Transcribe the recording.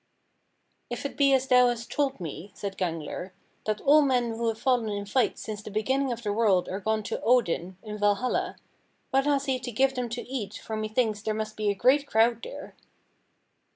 39. "If it be as thou hast told me," said Gangler, "that all men who have fallen in fight since the beginning of the world are gone to Odin, in Valhalla, what has he to give them to eat, for methinks there must be a great crowd there?"